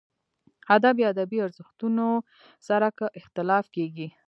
ادب یا ادبي ارزښتونو سره که اختلاف کېږي.